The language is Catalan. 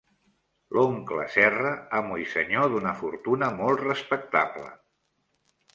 L'oncle Serra, amo i senyor d'una fortuna molt respectable.